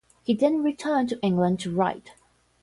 He then returned to England to write.